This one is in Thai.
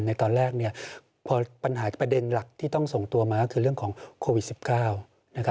ในตอนแรกพอปัญหาประเด็นหลักที่ต้องส่งตัวมาก็คือเรื่องของโควิด๑๙นะครับ